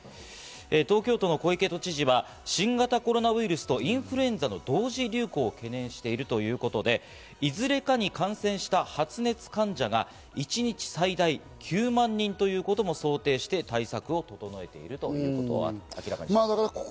東京都の小池都知事は、新型コロナウイルスとインフルエンザの同時流行を懸念しているということで、いずれかに感染した発熱患者が一日最大９万人ということも想定して、対策を整えていると明らかにしました。